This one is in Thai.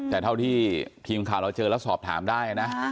แต่เท่าที่ทีมข่าวเราเจอแล้วสอบถามได้นะ